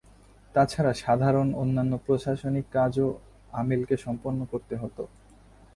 তাছাড়া সাধারন অন্যান্য প্রশাসনিক কাজও আমিলকে সম্পন্ন করতে হতো।